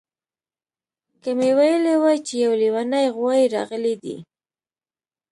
که مې ویلي وای چې یو لیونی غوایي راغلی دی